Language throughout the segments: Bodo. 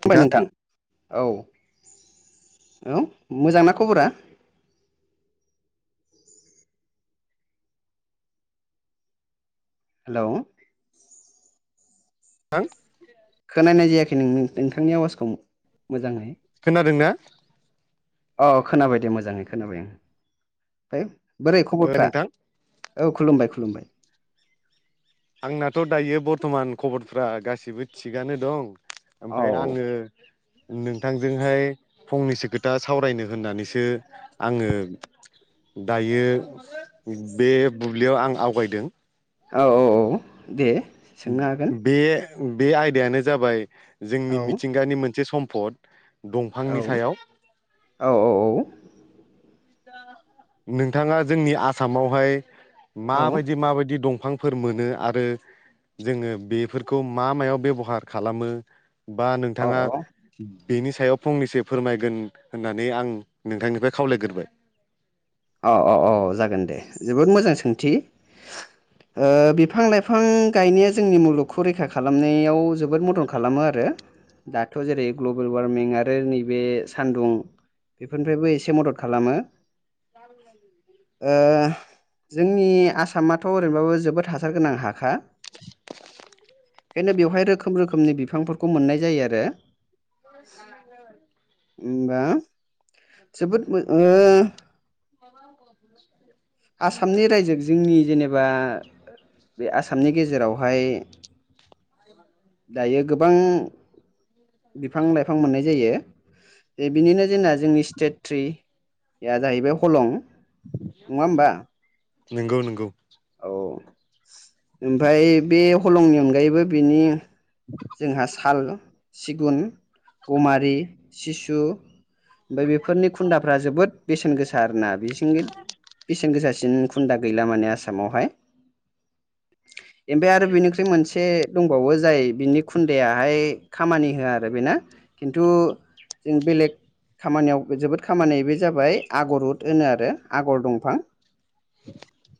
खुलुमबाय नोंथां औ औ मोजांना खबरा हेलौ थां खोनानाय जायाखै नों नोंथांनि आवाजखौ मोजाङै खोनादोंना? अ खोनाबाय दे मोजाङै खोनाबाय आं ओमफ्राय बोरै ओ खबरफ्रा नोंथां औ खुलुमबाय खुलुमबाय आंनाथ' दायो बरथ'मान खबरफ्रा गासिबो थिगानो दं औ ओमफ्राय आङो नोंथांजोंहाय फंनैसो खोथा सावरायनो होननानैसो आङो दायो बे बुब्लियाव आं आवगायदों औ औ औ दे सोंनो हागोन बे बे आयदायानो जाबाय जोंनि औ मिथिंगानि मोनसे सम्फद औ दंफांनि सायाव औ औ औ नोंथाङा जोंनि आसामावहाय औ माबायदि माबायदि दंफां फोर मोनो आरो जोङो बेफोरखौ मा मायाव बेबहार खालामो बा नोंथाङा औ बेनि सायाव फंनैसो फोरमायगोन होननानै आं नोंथांनिफ्राय खावलायग्रोबाय औ औ औ जागोन दे जोबोद मोजां सोंथि ओ बिफां लाइफां गायनाया जोंनि मुलुगखौ रैखा खालामनायाव जो बोद मदन खालामो आरो दाथ' जेरै ग्लबेलवार्मिं आरो नैबे सान्दुं बेफोरनिफ्रायबो एसे मदद खालामो। [inaudible] ओ जोंनि आसामाथ' ओरैनोबाबो जोबोद हासार गोनां हाखा बेखायनो बेवहाय रोखोम रोखोमनि बिफांफोरखौ मोननाय जायो आरो [inaudible] होनबा जोबोद ओ [inaudible] आसामनि रायजो जोंनि जेनेबा बे आसामनि गेजेरावहाय दायो गोबां बिफां लाइ फां मोननाय जायो जे बिनिनो जोंना जोंनि स्टेट ट्रिया जाहैबाय हलं नङा ओमबा नोंगौ नोंगौ औ ओमफ्राय बे हलंनि अनगायैबो बेनि [inaudible] जोंहा साल, सिगुन, गमारि, सिसु ओमफ्राय बेफोरनि खुन्दाफ्रा जोबोद बेसेन गोसा आरोना बिथिं बेसेन गोसासिन खुन्दा गैला माने आसामावहाय ओमफ्राय आरो बिनिख्रुइ मोनसे दंबावो जाय बिनि खुन्दायाहाय खामानि होआ आरो बेना खिन्थु जों बेलेग खामानियाव जोबोद खामानि बे जाबाय आगर उद होनो आरो आगर दंफां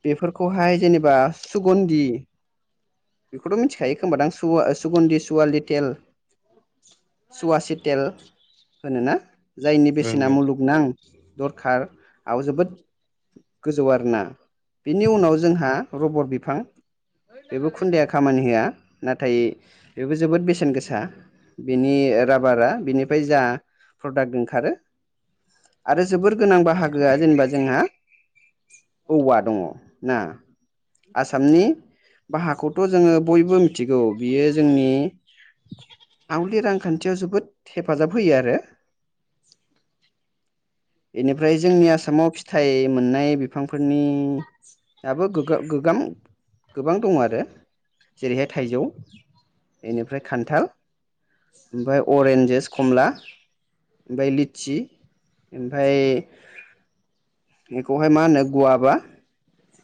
बेफोरखौहाय जेनेबा सुगुनदि बेखौथ' मिथिखायो खोमबा दां सुगुनदि सुवालि टेल सुवासि तेल होनोना जायनि ओं बेसेना ओं मुलुगनां दरखारआव जोबोद गोजौ आरोना बेनि उनाव जोंहा रबर बिफां बेबो खुन्दाया खामानि होआ नाथाय बेबो जोबोद बेसेन गोसा बिनि राबारा बिनिफ्राय जा प्रडाक्ट ओंखारो आरो जोबोर गोनां बाहागोआ जेनेबा जोंहा औवा दङ ना आसामनि बा हाखौथ' जोङो बयबो मिथिगौ बियो जोंनि आवलि रांखान्थियाव जोबोद हेफाजाब होयो आरो बेनिफ्राय जोंनि आसामाव फिथायाइ मोननाय बिफांफोरनि दाबो गो गोगां गोबां दङ आरो जेरैहाय थाइजौ बेनिफ्राय खान्थाल ओमफ्राय अरेन्जस खमला ओमफाय लिचि ओमफाय बेखौहाय मा होनो गुवाबा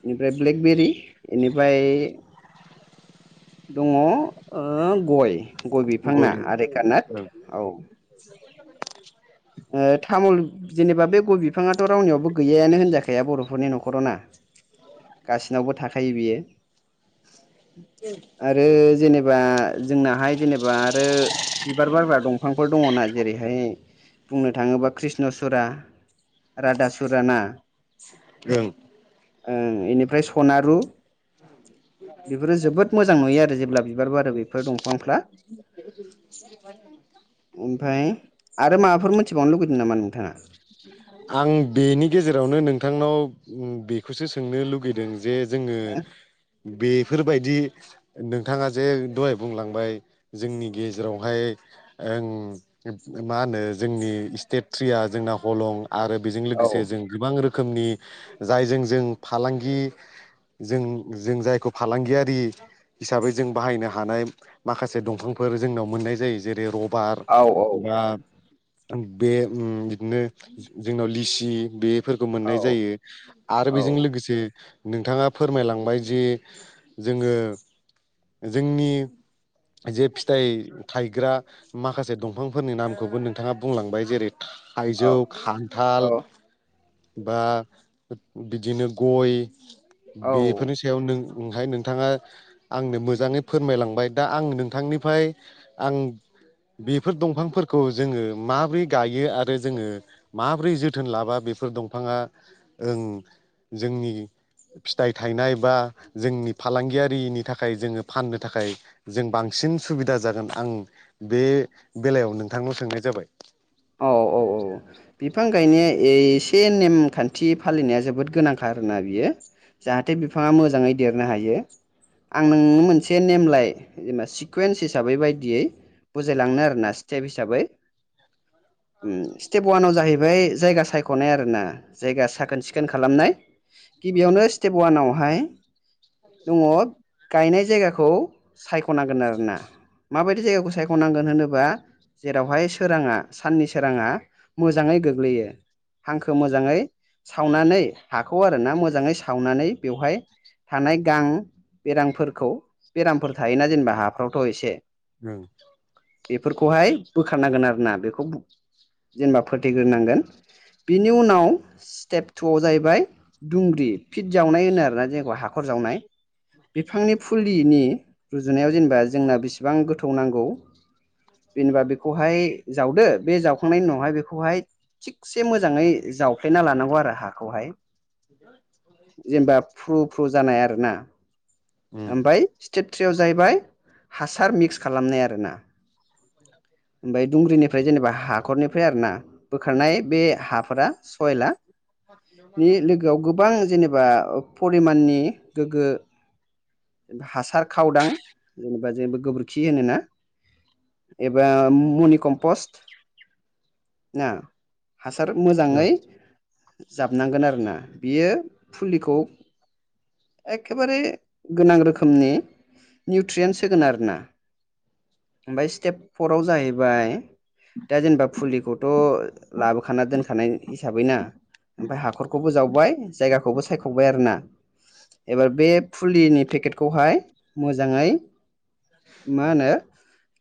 बेनिफ्राय ब्लेकबेरि बेनिफ्राय दङ ओ गय गय बिफांना आरेकानट औ [inaudible] ओ तामुल जेनेबा बे गय बिफाङाथ' रावनियावबो गैयानो होनजाखाया बर'फोरनि न'खराव ना गाससिनावबो थाखायो बियो [unintelligible] आरो जेनेबा जोंनाहाय जेनेबा आरो बिबार बारग्रा दंफांफोर दङना जेरैहाय बुंनो थाङोबा कृष्ण सुरा राधा सुरा ना ओं ओ बेनिफ्राय सनारु बेफोरो जोबोद मोज- जां नुयो जेब्ला बिबार आरो बे बेफोर दंफांफ्रा ओमफ्राय [inaudible] आरो माबाफोर मोनथिबावनो लुगैदों नामा नोंथाङा? आं बेनि गेजेरावनो नोंथांनाव बेखौसो सोंनो लुगैदों जे जोङो बेफोरबायदि नोंथाङा जे दहाय बुंलांबाय जोंनि गेजेरावहाय ओं मा होनो जोंनि स्टेट थ्रिया जोंनाव हलं आरो बेजों औ लोगोसे जों गोबां रोखोमनि जायजों जों फालांगि जों जों जायखौ फालांगियारि हिसाबै जों बाहायनो हानाय माखासे दंफांफोर जोंनाव मोननाय जायो जेरै रब बार औ बा बे ओम बिदिनो जोंनाव लिसि बेफोरखौ औ मोननाय जायो आरो औ बेजों लोगोसे नोंथाङा फोरमायलांबाय जे जोङो जोंनि जे फिथाइ थाइग्रा माखासे दंफांफोरनि नामखौबो नोंथाङा बुंलांबाय जेरै थाइजौ औ खान्थाल बा बिदिनो गय औ बेफोरनि सायाव नों ओंखाय नोंथाङा आंनो मोजाङै फोरमायलांबाय दा आं नोंथांनिफ्राय आं बेफोर दंफांफोरखौ जोङो माबोरै गायो आरो जोङो माबोरै जोथोन लाबा बेफोर दंफाङा ओं जोंनि फिथाइ थायनाय बा जोंनि फालांगियारिनि थाखाय जोङो फाननो थाखाय जों बांसिन सुबिदा जागोन आं बे बेलायाव नोंथांनाव सोंनाय जाबाय औ औ औ बिफां गायनाया एसे नेमखान्थि फालिनाया जोबोद गोनांखाार आरोना बियो जाहाथे बिफाङा मोजाङै देरनो हायो आं नोंनो मोनसे नेमलाय जेनेबा सिकुवेन्स हिसाबै बायदियै बुजायलांनो आर ना स्टेप हिसाबै स्टेप अवानाव जाहैबाय जायगा सायख'नाय आरो ना जायगा साखोन सिखोन खालामनाय गिबियावनो स्टेप वानावहाय दङ गायनाय जायगाखौ सायख'नांगोन आरोना माबायदि जायगाखौ सायख'नांगोन होनोबा जेरावहाय सोराङा साननि सोराङा मोजाङै गोग्लैयो हांखो मोजाङै सावनानै हाखौ आर ना मोजाङै सावनानै बेवहाय थानाय गां बेरामफोरखौ बेरामफोर थायोना जेनेबा हाफ्रावथ' एसे [unintelligible] बेफोरखौहाय बोखारनांगोन आरोना बेखौ जेनेबा फोथैग्रोनांगोन बिनि उनाव स्टेप टुआव जाहैबाय दुंग्रि फिट जावनाय होनो आरोना जेनेखौ हाखर जावनाय बिफांनि फुलिनि रुजुनायाव जेनेबा जोंना बेसेबां गोथौ नांगौ जेनबा बेखौहाय जावदो बे जावखांनायनि उनावहाय बेखौहाय थिगसे मोजाङै जावफ्लेना लानांगौ आरो हाखौहाय जेनेबा फु फु जानाय आरो ना ओम ओमफाय स्टेप थ्रियाव जाहैबाय हासार मिक्स खालामनाय आरोना ओमफ्राय दुंग्रिन ओमफ्राय जेनेबा हाखरनिफ्राय आर ना बोखारनाय बे हाफोरा सयला नि लोगोआव गोबां जेनेबा परिमाननि गोग्गो हासार खावदां जेनेबा जेनेबा गोबोरखि होनोना एबा मनि कमपस्ट ना हासार ओम मोजाङै जाबनांगोन आरोना बियो फुलिखौ एखेबारे गोनां रोखोमनि निउट्रियेन्स होगोन आरो ना। ओमफ्राय स्टेप फराव जाहैबाय दा जेनेबा फुलिखौथ' लाबोखाना दोनखानाय हिसाबै ना ओमफ्राय हाखरखौबो जावबाय जायगाखौबो सायख'बाय आरो ना एबार बे फुलिनि पेकेटखौहाय मोजाङै मा होनो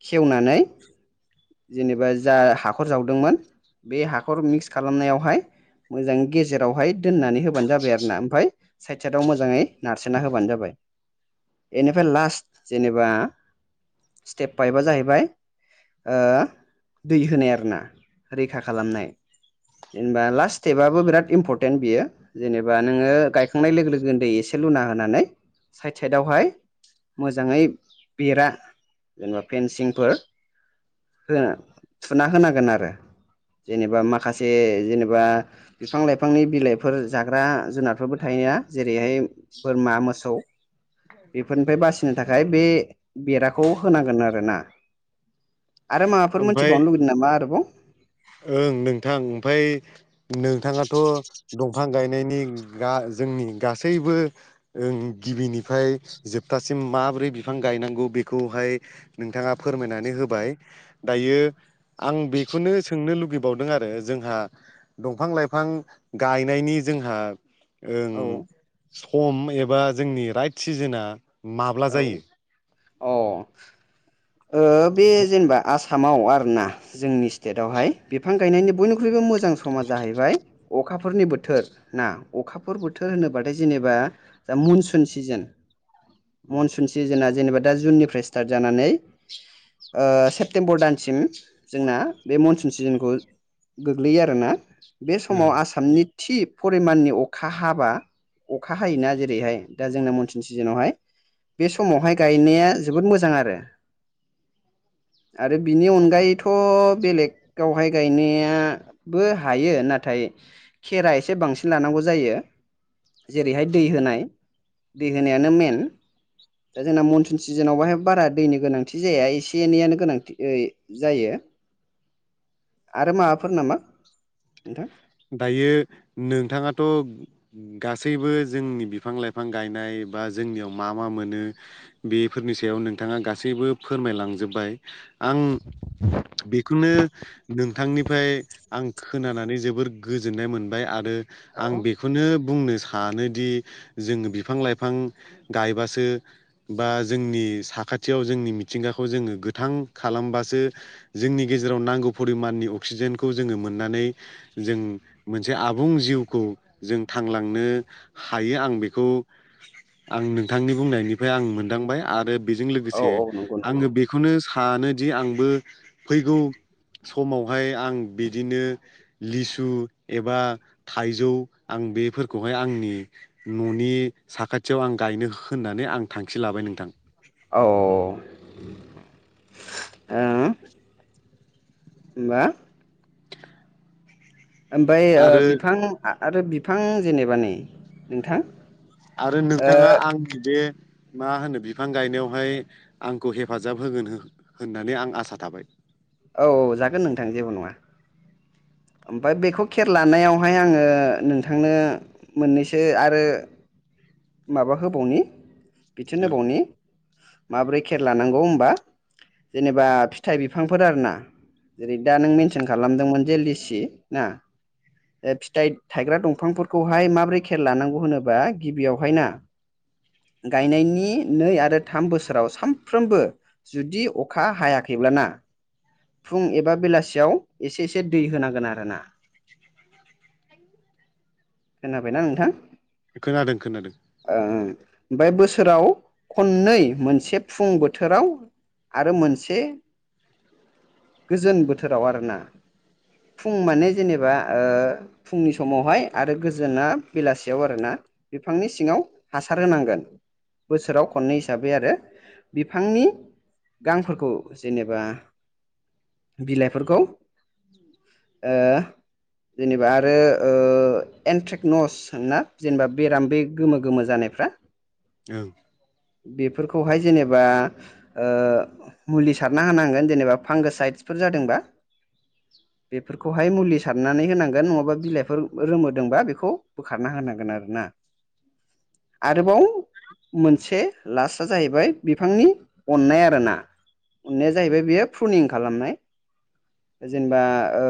खेवनानै जेनेबा जा हाखर जावदोंमोन बे हाखर मिक्स खालामनायावहाय मोजां गेजेरावहाय दोननानै होबानो जाबाय आरो ना ओमफफ्राय साइद साइदआव मोजाङै नारसोनना होबानो जाबाय। बेनिफ्राय लास्ट जेनेबा स्टेप फाइपआ जाहैबाय ओ दै होनाय आरोना रैखा खालामनाय। जेनेबा लास्ट स्टेपाबबो बिराद इम्परटेन्ट बियो जेनेबा नोङो गायखांनाय लोगो लोगो दैै एसे लुना होनानै साइद साइदावहाय मोजाङै बेरा जेनेबा फेनसिंफोर थुना होनांगोन आरो जेनेबा माखासे जेनेबा बिफां लाइफांनि बिलाइफोर जाग्रा जुनाद बेफोरबो थायो ना जेरैहाय बोरमा मोसौ बेफोरनिफ्राय बासिनो थाखाय ओमफ्राय बे बेराखौ होनांगोन आरो ना। आरो माबाफोर ओमफ्राय मोनथिबावनो लुगैदों नामा आरोबाव ओं नोंथां ओमफ्राय नोंथाङाथ' दंफां गायनायनि गा जोंनि गासैबो ओं गिबिनिफ्राय जोबथासिम माबोरै बिफां गायनांगौ बेखौहाय नोंथाङा फोरमायनानै होबाय। दायो आं बेखौनो सोंनो लुगैबावदों आरो जोंहा दंफां लाइफां गायनायनि जोंहा ओं औ सम एबा जोंनि राइट सिजोनआ माब्ला औ जायो अ ओ बे जेनेबा आसामाव आरोना जोंनि स्टेटआवहाय बिफां गायनायनि बयनिख्रुइबो मोजां मोजां समा जाहैबाय अ अखाफोरनि बोथोर ना अखाफोर बोथोर होनोबाथाय जेनेबा मनसुन सिजोन मनसुन सिजोनना जेनेबा दा जुननिफ्राय स्टार्ट जानानै ओ सेप्तेम्बर दानसिम जोंना बे मनसुन सिजोनखौ गोग्लैयो आरोना बे समाव ओं आसामनि थि फरिमाननि अखा हाबा अखा हायोना जेरैहाय दा जोंना मनसुन सिजोनावहाय बे समावहाय गायनाया जोबोद मोजां आरो। आरो बिनि अनगायैथ' बेलेगावहाय गायनाया बो हायो नाथाय खेरा एसे बांसिन लानांगौ जायो। जेरैहाय दै होनाय दै होनायानो मेन। दा जोंना मनसुन सिजोनाव बाहाय बारा दैनि गोनांथि जाया एसे एनैयानो गोनांथि ऐ जायो। आरो माबाफोर नामा नोंथां। दायो नोंथाङाथ' गासैबो जोंनि बिफां लायफां गायनाय बा जोंनियाव मा मा मोनो बेफोरनि सायाव नोंथाङा गासैबो फोरमायलांजोब्बाय आं बेखौनो नोंथांनिफ्राय आं खोनानानै जोबोर गोजोननाय मोनबाय आरो औ आं बे खौनो बुंनो सानोदि जोङो बिफां लायफां गायबासो बा जोंनि साखाथियाव जोंनि मिथिंगाखौ जोङो गोथां खालामबासो जोंनि गेजेराव नांगौ परिमाननि अक्सिजेनखौ जोङो मोननानै जों मोनसे आबुं जिउखौ जों थांलांनो हायो आं बेखौ आं नोंथांनि बुंनायनिफ्राय आं मोनदांबाय आरो बेजों औ लोगोसे औ नंगौ नंगौ आङो बे खौनो सानोदि आंबो फैगौ समावहाय आं बिदिनो लिसु एबा थायजौ आं बेफोर खौहाय आंनि न'नि साखाथियाव आं गायनो होननानै आं थांखि लाबाय नोंथां। औ। होमबा ओमफाय ओ आरो बिफां आरो बिफां जेनेबा नै नोंथां। आरो ओ नोंथाङा आंनि बे मा होनो बिफां गायनायावहाय आंखौ हेफाजाब होगोन होननानै आं आसा थाबाय। औ जागोन नोंथां जेबो नङा। ओमफाय बेखौ खेर लानायावहाय आङो नोंथांनो मोननैसो आरो माबा होबावनि बिथोन ओं होबावनि माब्रै खेर लानांगौ होमबा। जेनेबा फिथाय बिफांफोर आरोना। जेरै दा नों मेनसोन खालामदोंमोन जे लिसि ना। ओ फिथाय थायग्रा दंफांफोरखौहाय माब्रै खेर लानांगौ होनोबा गिबियाव हायना गायनायनि नै आरो थाम बोसोराव सामफ्रोमबो जुदि अखा हायाखैब्लाना फुं एबा बेलासियाव एसे एसे दै होनांगोन आरोना। खोनाबायना नोंथां। खोनादों खोनादों। ओं बे बोसोराव खननै मोनसे फुं बोथोराव आरो मोनसे गोजोन बोथोराव आरोना फुं माने जेनेबा ओ फुंनि समावहाय आरो गोजोना बेलासियाव आरोना। बिफांनि सिङाव हासार होनांगोन। बोसोराव खननै हिसाबै आरो बिफांनि गांफोरखौ जेनेबा बिलायफोरखौ ओ जेनेबा आरो ओ एन्ट्रेकनस होनोना जेनेबा बेराम बे गोमो गोमो जानायफ्रा। [unintelligible] औ। बेफोरखौहाय जेनेबा ओ मुलि सारना होनांगोन जेनेबा फांगोसायत्सफोर जादोंबा। बेफोरखौहाय मुलि सारनानै होनांगोन नङाबा बिलायफोर रोमोदोंबा बेखौ बोखारना होनांगोन आरोना। आरोबाव। मोनसे लास्टआ जाहैबाय बिफांनि अननाय आरोना। अननाया जाहैबाय बेयो फ्रुनिं खालामनाय जेनेबा ओ।